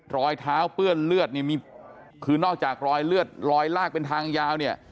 รอยเท้าเปื้อนเลือดนี่มีคือนอกจากรอยเลือดรอยลากเป็นทางยาวเนี่ย